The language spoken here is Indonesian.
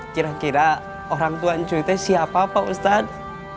kira kira orang tuhan cerita siapa pak ustadz